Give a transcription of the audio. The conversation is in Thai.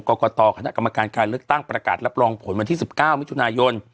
กรกตคณะกรรมการการเลือกตั้งประกาศรับรองผลวันที่๑๙มิถุนายน